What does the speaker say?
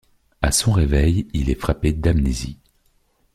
À son réveil, il est frappé d'amnésie.